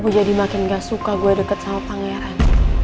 gue jadi makin gak suka gue deket sama pangeran